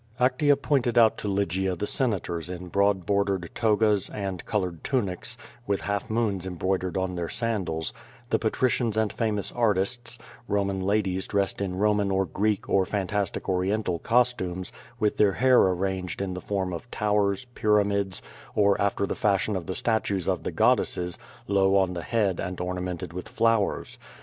Actea pointed out to Lygia the senators in broad bordered togas, and colored tunics, with half moons embroidered on their sandals; the patricians and famous artists; Roman la dies dressed in Soman or Greek or fantastic Oriental cos tumes, with their hair arranged in the form of towers, pyra mids, or after the fashion of the statues of the goddesses, low on the head, and ornamented with flowers.